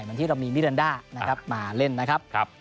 เหมือนที่เรามีมิรรนดามาเล่นนะครับ